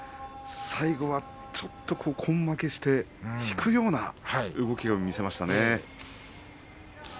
最後はちょっと根負けして引くような動きを見せましたね。